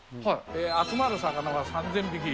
集まる魚が３０００匹。